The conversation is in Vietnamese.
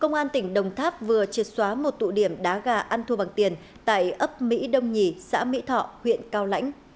công an tỉnh đồng tháp vừa triệt xóa một tụ điểm đá gà ăn thua bằng tiền tại ấp mỹ đông nhì xã mỹ thọ huyện cao lãnh